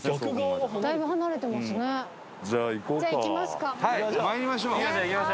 じゃあ行きますか。